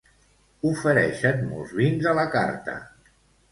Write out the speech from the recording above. Ofereixen molts vins a la carta.